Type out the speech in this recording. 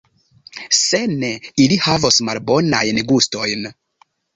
Se ne, ili havos malbonajn gustojn.